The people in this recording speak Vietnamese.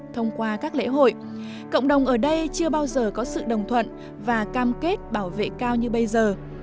thông qua các lễ hội cộng đồng ở đây chưa bao giờ có sự đồng thuận và cam kết bảo vệ cao như bây giờ